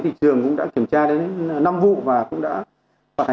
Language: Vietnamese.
hàng nhà mình bạn làm hay là